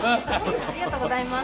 ありがとうございます。